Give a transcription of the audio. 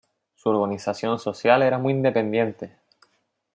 Su organización social era muy independiente.